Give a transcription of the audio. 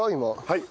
はい。